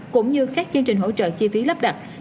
cũng như các chương trình hỗ trợ chi phí lắp đặt